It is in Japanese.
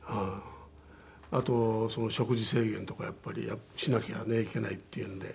あと食事制限とかやっぱりしなきゃねいけないっていうんで。